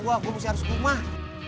yang gue gue mesti harus ke rumah